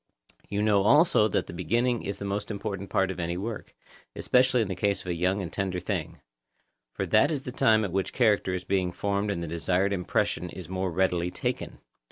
You know also that the beginning is the most important part of any work, especially in the case of a young and tender thing; for that is the time at which the character is being formed and the desired impression is more readily taken.